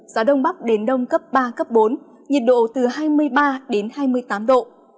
gió đông bắc đến đông cấp ba cấp bốn nhiệt độ từ hai mươi ba đến hai mươi tám độ